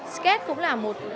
sketch cũng là một